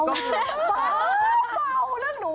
เบาเบาเรื่องหนูอ่ะ